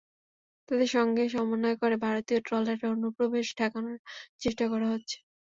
তাঁদের সঙ্গে সমন্বয় করে ভারতীয় ট্রলারের অনুপ্রবেশ ঠেকানোর চেষ্টা করা হচ্ছে।